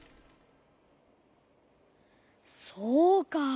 そうか。